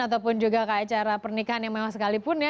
ataupun juga ke acara pernikahan yang memang sekalipun ya